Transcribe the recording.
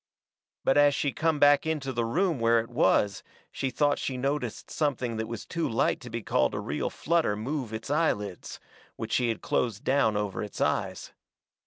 But as she come back into the room where it was she thought she noticed something that was too light to be called a real flutter move its eyelids, which she had closed down over its eyes.